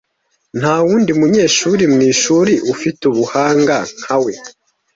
Nta wundi munyeshuri mwishuri ufite ubuhanga nka we.